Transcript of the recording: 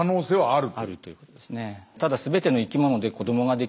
あるということですね。